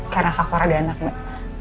karena faktornya udah anak nek